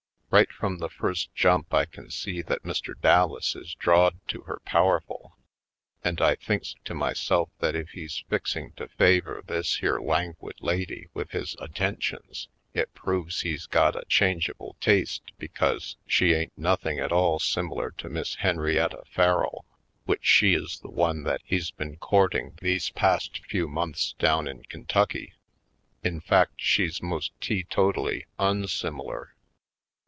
Right from the first jump I can see that Mr. Dallas is drawed to her powerful, and I thinks to myself that if he's fixing to favor this here languid lady with his attentions it proves he's got a changeable taste because she ain't nothing at all similar to Miss Hen rietta Farrell, which she is the one that he's been courting these past few months down in Kentucky. In fact, she's most teetotally unsimilar.